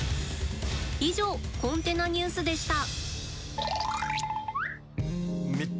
以上コンテナニュースでした。